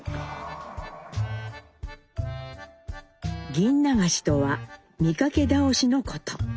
「銀流し」とは見かけ倒しのこと。